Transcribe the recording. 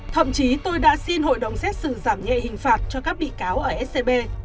thậm chí tôi đã xin hội đồng xét xử giảm nhẹ hình phạt cho các bị cáo ở scb